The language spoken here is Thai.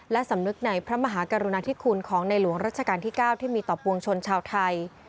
และสำนึกในพระมหากรุณาธิคุณของในหลวงรัชกาลที่๙ที่มีต่อปวงชนชาวไทย